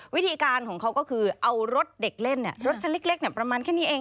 วิธีการของเขาก็คือเอารถเด็กเล่นรถคันเล็กประมาณแค่นี้เอง